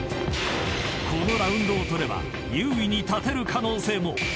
［このラウンドを取れば優位に立てる可能性も］